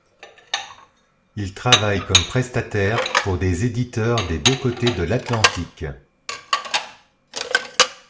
Ils travaillent comme prestataires pour des éditeurs des deux côtés de l'Atlantique.